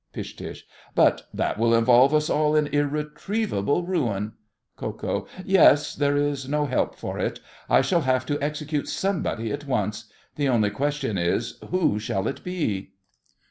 PISH. But that will involve us all in irretrievable ruin! KO. Yes. There is no help for it, I shall have to execute somebody at once. The only question is, who shall it be?